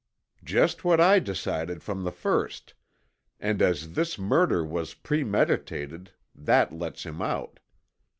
"Just what I decided from the first, and as this murder was premeditated, that let's him out.